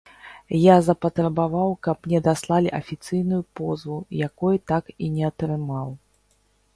Я запатрабаваў, каб мне даслалі афіцыйную позву, якой так і не атрымаў.